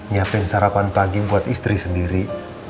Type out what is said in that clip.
nyiapin sarapan pagi buat istri sendiri